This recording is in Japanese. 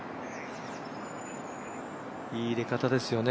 いい入れ方ですよね